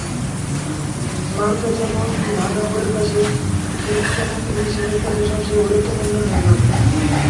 মারতা যেমন ভাদাওয়ের কাছে, ঠিক তেমনি মিচেলের কাছে সবচেয়ে গুরুত্বপূর্ণ নেইমার।